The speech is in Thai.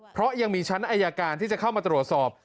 เพราะยังมีชั้นอายการที่จะเข้ามาตรวจสอบ